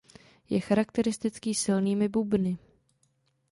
Je charakteristický silnými bubny.